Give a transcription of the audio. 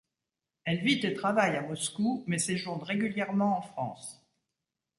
Elle vit et travaille à Moscou, mais séjourne régulièrement en France.